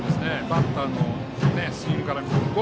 バッターのスイングから見て。